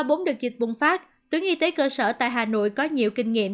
sau bốn đợt dịch bùng phát tuyến y tế cơ sở tại hà nội có nhiều kinh nghiệm